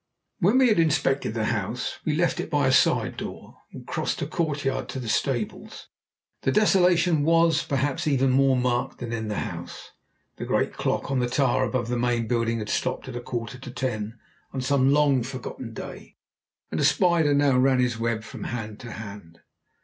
When we had inspected the house we left it by a side door, and crossed a courtyard to the stables. There the desolation was, perhaps, even more marked than in the house. The great clock on the tower above the main building had stopped at a quarter to ten on some long forgotten day, and a spider now ran his web from hand to hand.